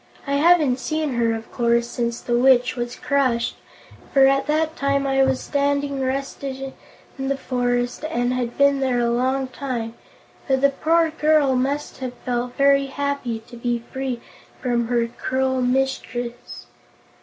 I haven't seen her, of course, since the Witch was crushed, for at that time I was standing rusted in the forest and had been there a long time, but the poor girl must have felt very happy to be free from her cruel mistress."